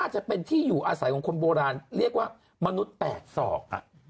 จะเป็นที่อยู่อาศัยของคนโบราณเรียกว่ามนุษย์๘ศอก